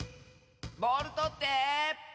ボールとって！